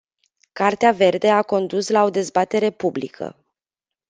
Cartea verde a condus la o dezbatere publică.